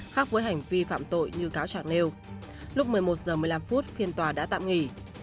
khác với hành vi phạm tội như cáo trạng nêu lúc một mươi một h một mươi năm phiên tòa đã tạm nghỉ